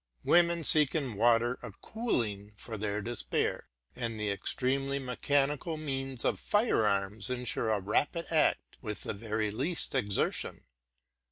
Women seek in water a cooling for their despair, and the extremely mechanical means of fire arms insure a rapid act with the very least exertion.